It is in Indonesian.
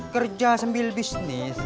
kerja sambil bisnis